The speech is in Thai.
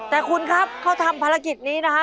แต่คุณครับเขาทำภารกิจนี้นะฮะ